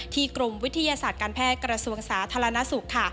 ที่กรมพิธีศาสตร์การแพทย์กระทรวงสาธารณสุข